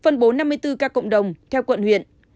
bốn năm mươi bốn ca cộng đồng theo quận huyện